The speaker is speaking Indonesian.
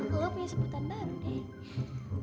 lu punya sebutan baru deh